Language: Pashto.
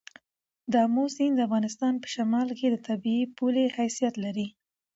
د آمو سیند د افغانستان په شمال کې د طبیعي پولې حیثیت لري.